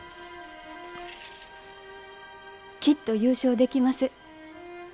きっと優勝できます。